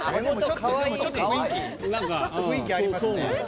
ちょっと雰囲気ありますね。